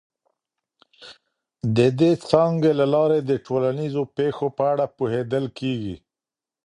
د دې څانګې له لاري د ټولنیزو پیښو په اړه پوهیدل کیږي.